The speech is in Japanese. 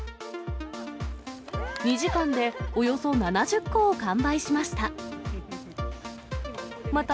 ２時間でおよそ７０個を完売しました。